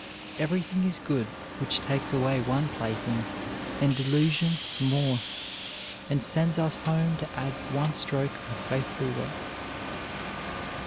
... Everything is good which takes away one plaything and delusion more, and sends us home to add one stroke of faithful work.